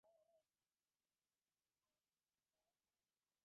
তিনি অবাস্তববাদী ও কল্পনাপ্রবন সাহিত্য থেকে নিজেকে দূরে সরিয়ে রাখতেন।